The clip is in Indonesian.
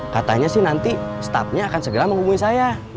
katanya sih nanti staffnya akan segera menghubungi saya